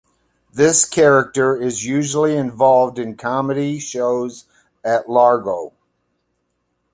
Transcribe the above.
This character is usually involved in comedy shows at Largo.